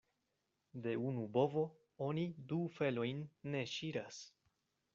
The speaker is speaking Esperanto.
De unu bovo oni du felojn ne ŝiras.